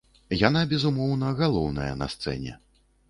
Яна, безумоўна, галоўная на сцэне.